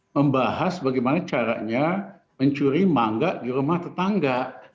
membahas bagaimana caranya mencuri mangga di rumah tetangga